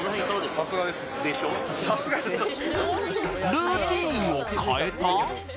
ルーティンを変えた？